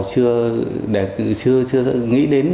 chưa nghĩ đến